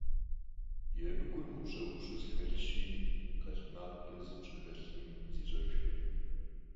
Yêmık'ur 'Upş'e - 'Upş'eu zexelhşi khelhtmakhç'e zıpş'exelhım ziş'ejjırkhım.